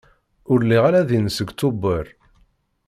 Ur lliɣ ara din seg Tubeṛ.